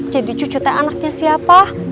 jadi cucu teh anaknya siapa